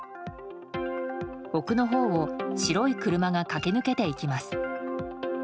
奥のほうを白い車が駆け抜けていきます。